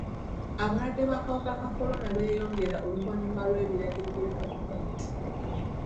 Abalwadde b'akawuka ka kolona beeyongera oluvannyuma lw'ebiragiro bya gavumenti.